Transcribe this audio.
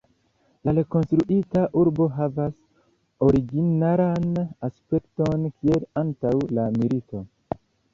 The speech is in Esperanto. La rekonstruita urbo havas originalan aspekton kiel antaŭ la milito.